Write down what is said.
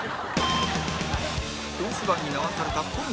コース外に流された小宮